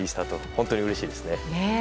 本当にうれしいですね。